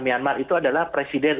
myanmar itu adalah presiden